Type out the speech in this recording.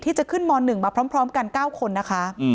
จะขึ้นม๑มาพร้อมกัน๙คนนะคะ